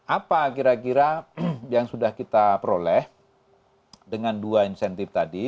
apa kira kira yang sudah kita peroleh dengan dua insentif tadi